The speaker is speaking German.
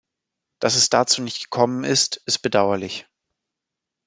Dass es dazu nicht gekommen ist, ist bedauerlich.